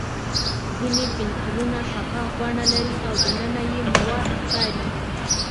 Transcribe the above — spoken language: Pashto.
ځینې پنسلونه شفاف بڼه لري او دننه یې مواد ښکاري.